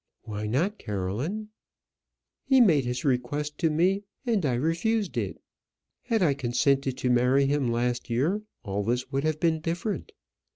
"Why not, Caroline?" "He made his request to me, and I refused it. Had I consented to marry him last year, all this would have been different.